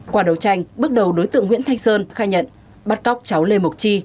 qua đấu tranh bước đầu đối tượng nguyễn thanh sơn khai nhận bắt cóc cháu lê mộc chi